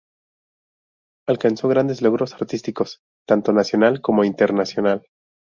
Alcanzó grandes logros artísticos, tanto Nacional como Internacional.